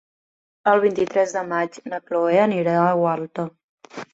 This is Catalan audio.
El vint-i-tres de maig na Cloè anirà a Gualta.